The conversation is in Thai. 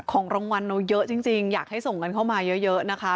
ของรางวัลเราเยอะจริงอยากให้ส่งเงินเข้ามาเยอะนะคะ